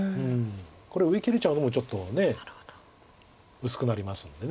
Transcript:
これ上切れちゃうのもちょっと薄くなりますので。